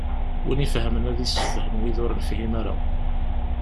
Win ifehmen ad issefhem wid ur nefhim ara.